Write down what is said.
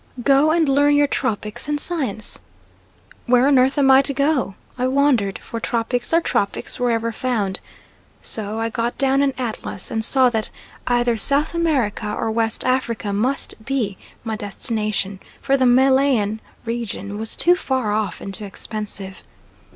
"Go and learn your tropics," said Science. Where on earth am I to go? I wondered, for tropics are tropics wherever found, so I got down an atlas and saw that either South America or West Africa must be my destination, for the Malayan region was too far off and too expensive.